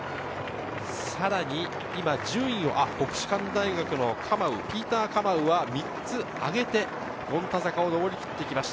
順位は国士舘大学のカマウ、ピーター・カマウは３つ上げて権太坂を上り切ってきました。